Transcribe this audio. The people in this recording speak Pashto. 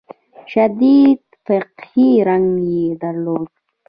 شدید فقهي رنګ یې درلود.